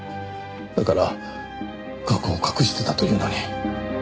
だから過去を隠していたというのに。